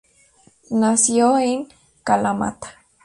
Nació en Kalamata.